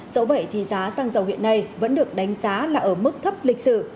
dẫu vậy thì giá xăng dầu hiện nay vẫn được đánh giá là ở mức thấp lịch sử